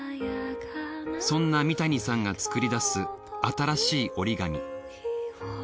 そんな三谷さんが作り出す新しい折り紙。